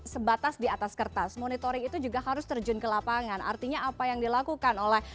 sebatas di atas kertas monitoring itu juga harus terjun ke lapangan artinya apa yang dilakukan oleh